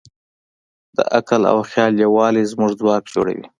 د عقل او خیال یووالی زموږ ځواک جوړوي.